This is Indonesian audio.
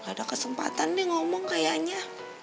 gak ada kesempatan nih ngomong kayaknya